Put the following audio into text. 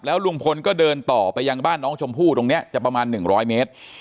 ลุงพลก็เดินต่อไปยังบ้านน้องชมพู่ตรงนี้จะประมาณ๑๐๐เมตร